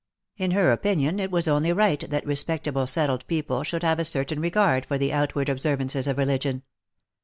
In her opinion, it was only right that respectable settled people should have a certain regard for the outward observances of religion.